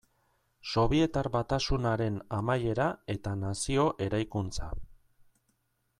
Sobietar Batasunaren amaiera eta nazio eraikuntza.